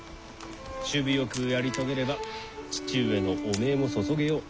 首尾よくやり遂げれば父上の汚名もそそげよう。